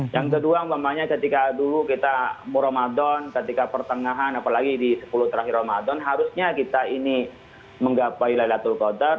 yang kedua umpamanya ketika dulu kita mau ramadan ketika pertengahan apalagi di sepuluh terakhir ramadan harusnya kita ini menggapai laylatul qatar